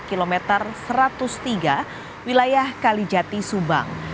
kilometer satu ratus tiga wilayah kalijati subang